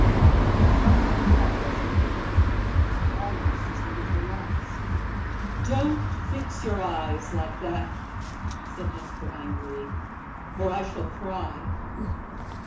But from her heart she pitied her, almost as one of the lost. "Don't fix your eyes like that," said Hesper, angrily, "or I shall cry.